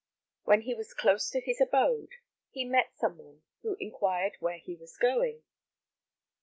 When he was close to his abode, he met some one who inquired where he was going.